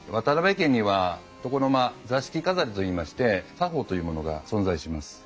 家には床の間座敷飾りといいまして作法というものが存在します。